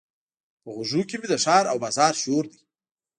په غوږونو کې مې د ښار او بازار شور دی.